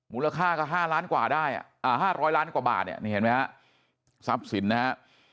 มูลค่าก็๕๐๐ล้านกว่าบาทนี่เห็นไหมครับทรัพย์สินนะครับ